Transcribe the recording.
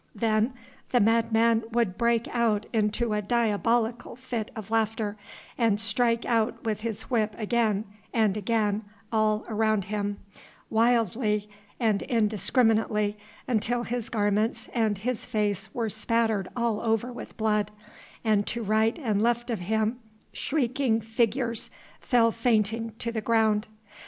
Then the madman would break out into a diabolical fit of laughter, and strike out with his whip again and again all around him, wildly and indiscriminately, until his garments and his face were spattered all over with blood, and to right and left of him shrieking figures fell fainting to the ground.